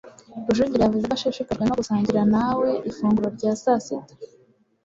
rujugiro yavuze ko ashishikajwe no gusangira nawe ifunguro rya sasita